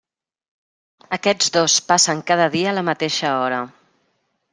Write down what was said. Aquests dos passen cada dia a la mateixa hora.